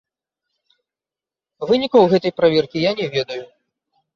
Вынікаў гэтай праверкі я не ведаю.